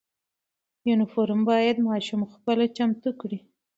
یونیفرم باید ماشوم خپله چمتو کړي.